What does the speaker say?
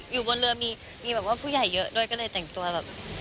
อยู่บนเรือมีแบบว่าผู้ใหญ่เยอะด้วยก็เลยแต่งตัวแบบ